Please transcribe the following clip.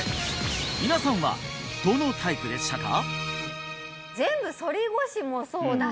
皆さんはどのタイプでしたか？